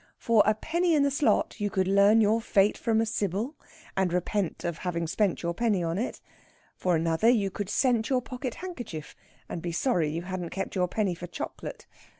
For a penny in the slot you could learn your fate from a Sibyl, and repent of having spent your penny on it. For another you could scent your pocket handkerchief, and be sorry you hadn't kept your penny for chocolate.